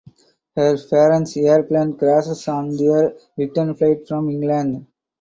Her parent’s air plane crashes on their return flight from England.